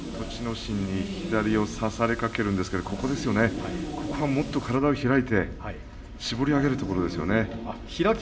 心に左を差されかけるんですけれどその場面ですねもっと体を開いて、絞り上げるところですね。